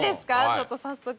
ちょっと早速。